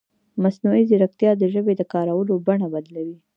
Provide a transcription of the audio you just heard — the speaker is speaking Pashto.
مصنوعي ځیرکتیا د ژبې د کارولو بڼه بدلوي.